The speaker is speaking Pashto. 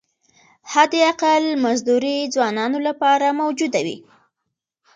حداقل مزدوري ځوانانو لپاره موجوده وي.